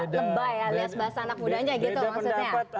lihat bahasa anak mudanya gitu maksudnya